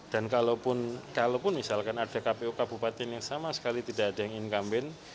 dan kalaupun misalkan ada kpu kabupaten yang sama sekali tidak ada yang incumbent